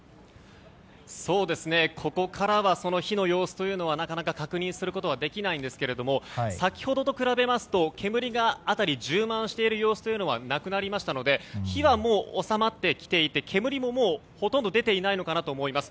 ここからは火の様子というのはなかなか確認することはできないんですけれども先ほどと比べますと煙が辺り一帯に充満していることはなくなりましたので火はもう収まってきていて煙もほとんど出ていないのかなと思います。